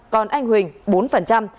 còn anh huỳnh bốn